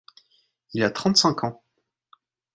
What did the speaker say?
Il a trente-cinq ans.